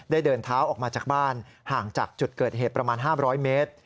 เดินเท้าออกมาจากบ้านห่างจากจุดเกิดเหตุประมาณ๕๐๐เมตร